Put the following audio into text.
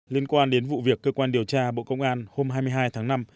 liên quan đến vụ việc cơ quan điều tra bộ công an hôm hai mươi hai tháng năm